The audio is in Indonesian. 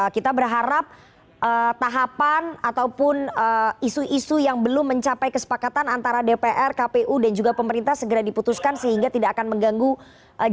kita berharap tahapan ataupun isu isu yang belum mencapai kesepakatan antara dpr kpu dan juga pemerintah segera diputuskan sehingga tidak akan mengganggu jadwal